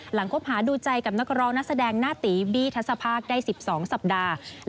คบหาดูใจกับนักร้องนักแสดงหน้าตีบี้ทัศภาคได้๑๒สัปดาห์